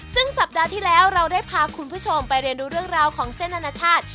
ซึ่งสัปดาห์ที่แล้วเราได้พาคุณผู้ชมไปเรียนรู้เรื่องราวของเส้นอนาชาติ